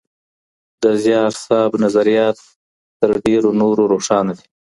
د زیار صاحب نظریات تر ډېرو نورو روښانه دي.